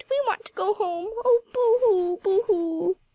We want to go home. Oh! Boo hoo! Boo hoo!"